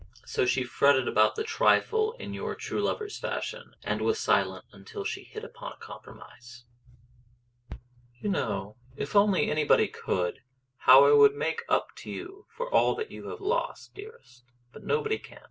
So she fretted about the trifle in your true lover's fashion, and was silent until she hit upon a compromise. "You know if only anybody could! how I would make up to you for all that you have lost, dearest. But nobody can.